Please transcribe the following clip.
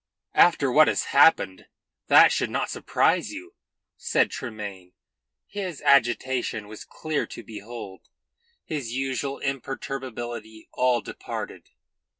"After what has happened that should not surprise you," said Tremayne. His agitation was clear to behold, his usual imperturbability all departed.